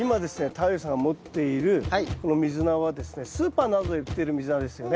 太陽さんが持っているこのミズナはですねスーパーなどで売ってるミズナですよね。